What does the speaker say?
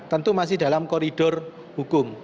tentu masih dalam koridor hukum